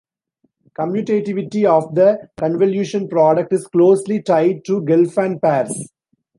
Commutativity of the convolution product is closely tied to Gelfand pairs.